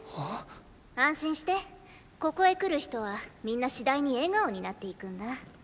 安心してここへ来る人は皆次第に笑顔になっていくんだ。